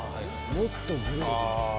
もっとグレー。